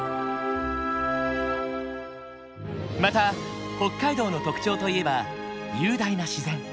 また北海道の特徴といえば雄大な自然。